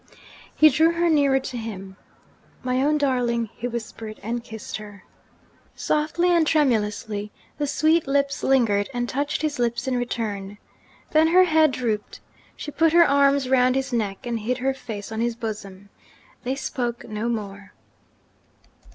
He drew her nearer to him. 'My own darling!' he whispered and kissed her. Softly and tremulously, the sweet lips lingered, and touched his lips in return. Then her head drooped. She put her arms round his neck, and hid her face on his bosom. They spoke no more.